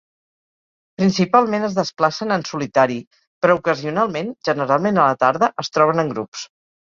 Principalment es desplacen en solitari, però ocasionalment, generalment a la tarda, es troben en grups.